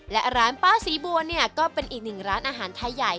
และร้านป้าศรีบัวเนี่ยก็เป็นอีกหนึ่งร้านอาหารไทยใหญ่